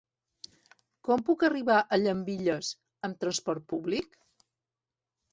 Com puc arribar a Llambilles amb trasport públic?